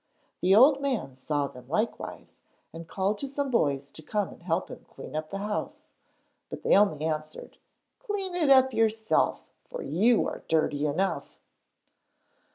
The old man saw them likewise, and called to some boys to come and help him clean up the house. But they only answered, 'Clean up yourself, for you are dirty enough.'